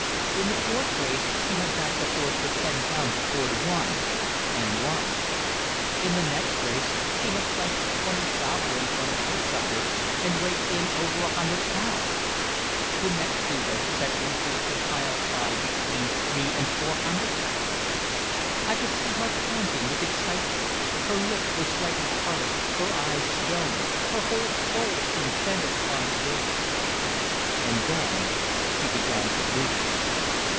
In the fourth "race" she had backed a horse for ten pounds at four to one, and won. In the next race she had planked twenty sovereigns on an outsider, and raked in over a hundred pounds. The next two races had increased her pile by between three and four hundred pounds. I could see her panting with excitement. Her lips were slightly parted. Her eyes shone. Her whole soul seemed centred upon the game. And then she began to lose.